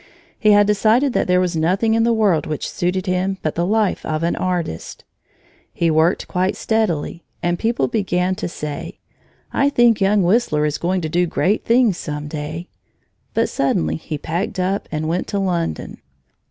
He had decided that there was nothing in the world which suited him but the life of an artist. He worked quite steadily and people began to say: "I think young Whistler is going to do great things some day." But suddenly he packed up and went to London.